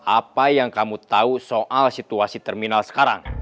apa yang kamu tahu soal situasi terminal sekarang